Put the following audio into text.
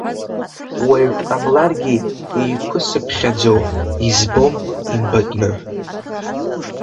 Уаҩ дҟамларгьы еиқәысԥхьаӡо, избом имбатәны.